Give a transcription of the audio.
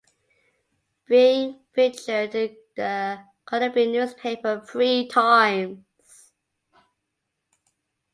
Being featured In the Colombian newspaper three times.